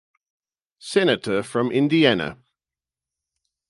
Senator from Indiana.